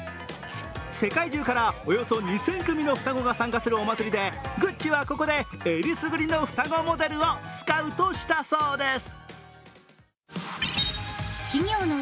世界中からおよそ２０００組の双子が参加するお祭りで、ＧＵＣＣＩはここで、選りすぐりの双子モデルをスカウトしたそうです。